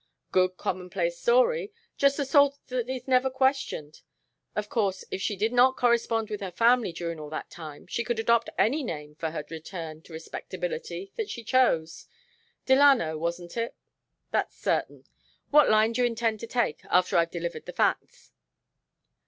"Good commonplace story. Just the sort that is never questioned. Of course if she did not correspond with her family during all that time she could adopt any name for her return to respectability that she chose. Delano wasn't it? That's certain. What line do you intend to take? After I've delivered the facts?"